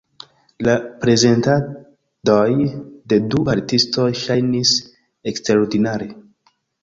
La prezentadoj de du artistoj ŝajnis eksterordinare.